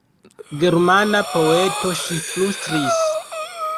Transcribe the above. Germana poeto, ŝi flustris.